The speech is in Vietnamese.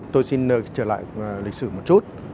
tôi xin trở lại lịch sử một chút